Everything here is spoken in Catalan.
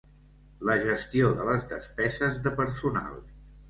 La gestió de les despeses de personal.